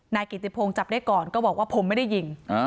นายกิติพงศ์จับได้ก่อนก็บอกว่าผมไม่ได้ยิง